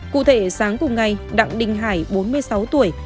cụ thể sáng cùng ngày đặng đình hải bốn mươi sáu tuổi